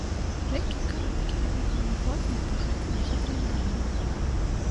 Рэкі кароткія, але паўнаводныя, багатыя на гідраэнергію.